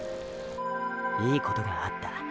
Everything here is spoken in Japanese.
“いいことがあった”